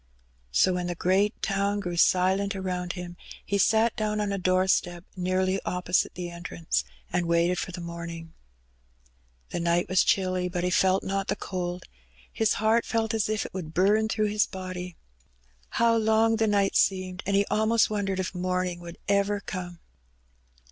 So when the great town grew silent around him, he sat down on a doorstep nearly opposite the entrance, and waited for the morning. The night was chilly, but he felt not the cold; his heart felt as if it would burn through his body. How long the I 2 116 Hbe Bennv. night seemed, and he almost wondered if morning would ever come.